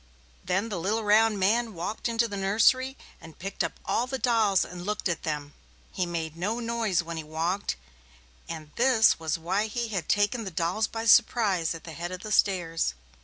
Then the little round man walked into the nursery and picked up all the dolls and looked at them. He made no noise when he walked, and this was why he had taken the dolls by surprise at the head of the stairs.